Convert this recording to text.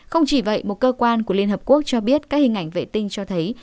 không chỉ vậy một cơ quan của liên hợp quốc cho biết các hình ảnh vệ tinh cho thấy